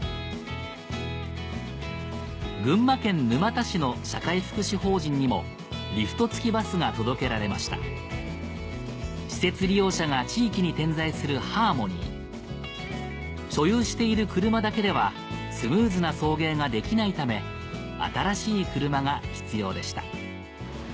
群馬県沼田市の社会福祉法人にもが届けられました施設利用者が地域に点在する「はーもにー」所有している車だけではスムーズな送迎ができないため新しい車が必要でした